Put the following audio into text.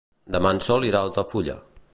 Demà en Sol irà a Altafulla.